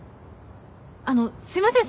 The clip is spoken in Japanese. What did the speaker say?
あのすいません